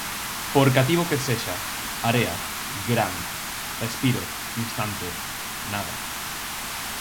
Por cativo que sexa, area, gran, respiro, instante, nada.